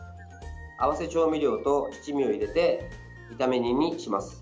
合わせ調味料と七味を入れて炒め煮にします。